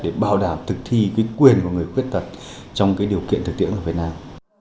để bảo đảm thực thi quyền của người khuyết tật trong điều kiện thực tiễn ở việt nam